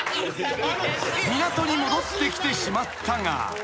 ［港に戻ってきてしまったが］